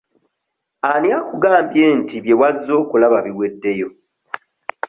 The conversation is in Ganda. Ani akugambye nti bye wazze okulaba biweddeyo?